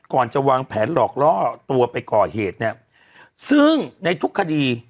ก่อนจะวางแผนหลอกล่อตัวไปก่อเหตุเนี่ยซึ่งในทุกคดี